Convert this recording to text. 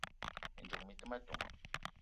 Mi ndzouk mi te ma ton: